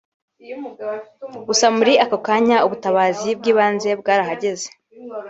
Gusa muri ako kanya ubutabazi bw’ibanze bwarahageze